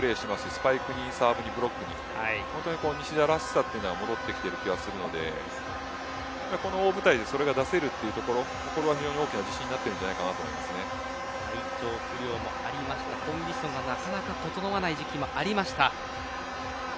スパイクにサーブにブロックに本当に西田らしさが戻ってきている気がするのでこの大舞台でそれが出せるというところそれが非常に大きな自信になっているんじゃないかとコンディションがなかなか整わない時期もありました。